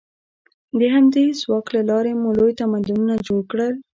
د همدې ځواک له لارې مو لوی تمدنونه جوړ کړل.